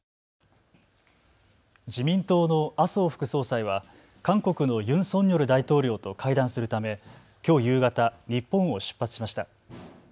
自民党の麻生副総裁は韓国のユン・ソンニョル大統領と会談するためきょう夕方、日本を出発しました。